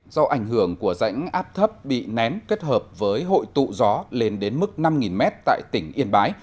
do ảnh hưởng của rãnh áp thấp bị nén kết hợp với hội tụ gió lên đến mức năm m tại tỉnh yên bái